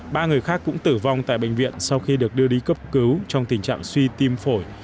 ba người khác cũng tử vong tại bệnh viện sau khi được đưa đi cấp cứu trong tình trạng suy tim phổi